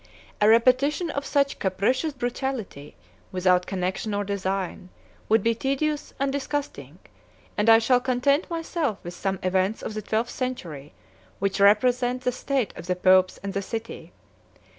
A repetition 13 of such capricious brutality, without connection or design, would be tedious and disgusting; and I shall content myself with some events of the twelfth century, which represent the state of the popes and the city.